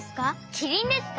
キリンですか？